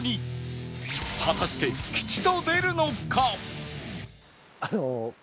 果たして吉と出るのか！？